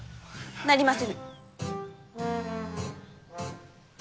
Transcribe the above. なりませぬ！